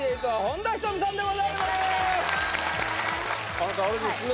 あなたあれですね